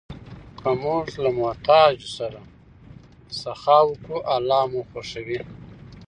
که موږ له محتاجو سره سخا وکړو، الله مو خوښوي.